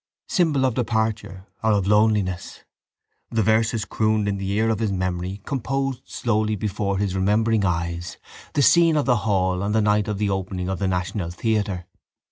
Symbol of departure or of loneliness? The verses crooned in the ear of his memory composed slowly before his remembering eyes the scene of the hall on the night of the opening of the national theatre.